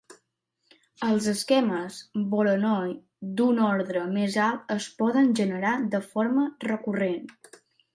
Els esquemes Voronoi d"un ordre més alt es poden generar de forma recurrent.